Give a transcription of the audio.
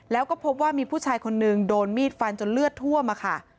แล้วก็พบว่ามีผู้ชายคนนึงโดนมีดฟันจนเลือดท่วมค่ะ